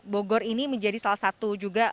bogor ini menjadi salah satu juga